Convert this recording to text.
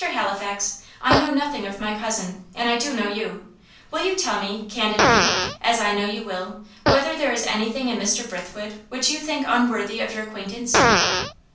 Halifax, I know nothing of my cousin, and I do know you. Will you tell me candidly, as I know you will whether there is anything in Mr. Brithwood which you think unworthy of your acquaintance?"